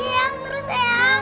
ya terus ya